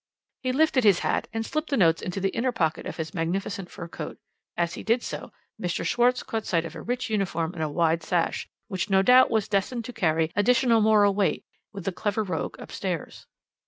"He lifted his hat, and slipped the notes into the inner pocket of his magnificent fur coat. As he did so, Mr. Schwarz caught sight of a rich uniform and a wide sash, which no doubt was destined to carry additional moral weight with the clever rogue upstairs.